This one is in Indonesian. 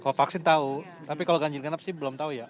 kalau vaksin tahu tapi kalau ganjil genap sih belum tahu ya